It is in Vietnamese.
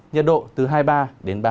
nhật độ từ hai mươi ba ba mươi hai độ